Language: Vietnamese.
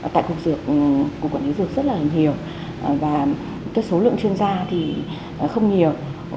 tại cục quản lý dược rất là nhiều và số lượng chuyên gia thì không nhiều